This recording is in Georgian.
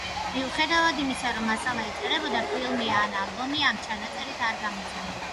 მიუხედავად იმისა, რომ მასალა იწერებოდა, ფილმი ან ალბომი ამ ჩანაწერით არ გამოცემულა.